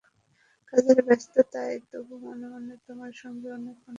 কাজের ব্যস্ততায় তবু মনে মনে তোমার সঙ্গে অনেক অনেক কথা বলে ফেলেছি।